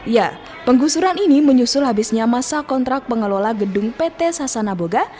ya penggusuran ini menyusul habisnya masa kontrak pengelola gedung pt sasana boga